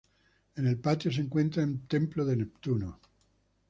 En el patio se encuentra en Templo de Neptuno.